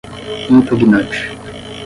impugnante